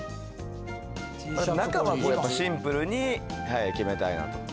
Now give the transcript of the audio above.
中はやっぱりシンプルに決めたいなと。